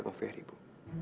ibu sudah dapat nge fair ibu